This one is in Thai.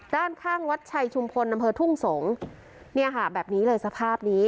ด้านข้างวัดชัยชุมพลอำเภอทุ่งสงศ์เนี่ยค่ะแบบนี้เลยสภาพนี้